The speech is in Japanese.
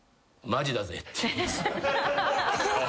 「マジだぜ」